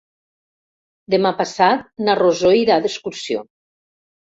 Demà passat na Rosó irà d'excursió.